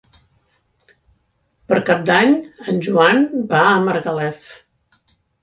Per Cap d'Any en Joan va a Margalef.